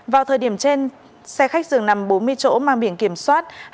vào thời điểm trên xe khách dường nằm bốn mươi chỗ mang biển kiểm soát